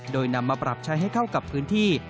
โดยนำมาปรับใช้ให้เข้ากับพื้นที่